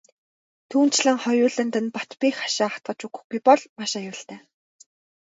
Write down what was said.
Түүнчлэн хоёуланд нь бат бэх хашаа хатгаж өгөхгүй бол маш аюултай.